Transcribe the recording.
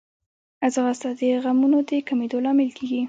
ځغاسته د غمونو د کمېدو لامل کېږي